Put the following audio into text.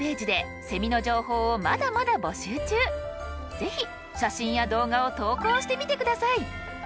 ぜひ写真や動画を投稿してみて下さい。